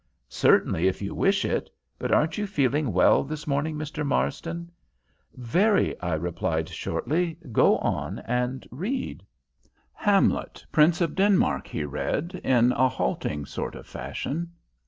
"Certainly, if you wish it; but aren't you feeling well this morning, Mr. Marsden?" "Very," I replied, shortly. "Go on and read." "Hamlet, Prince of Denmark," he read, in a halting sort of fashion.